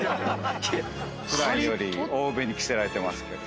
普段より多めに着せられてますけど。